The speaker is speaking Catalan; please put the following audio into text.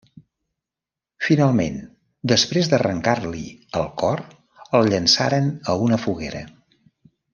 Finalment, després d'arrencar-li el cor, el llançaren a una foguera.